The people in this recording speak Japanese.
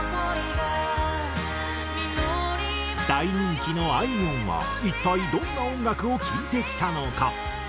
大人気のあいみょんは一体どんな音楽を聴いてきたのか？